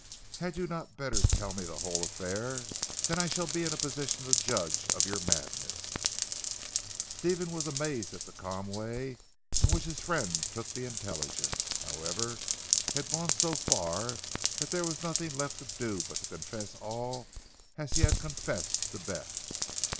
"Had you not better tell me the whole affair? Then I shall be in a position to judge of your madness." Stephen was amazed at the calm way in which his friend took the intelligence. However he had gone so far that there was nothing left to do but to confess all as he had confessed to Bess.